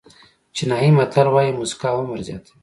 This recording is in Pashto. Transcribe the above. چینایي متل وایي موسکا عمر زیاتوي.